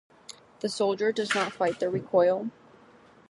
The soldier does not fight the recoil.